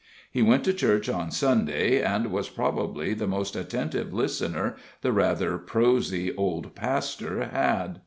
He went to church on Sunday, and was probably the most attentive listener the rather prosy old pastor had.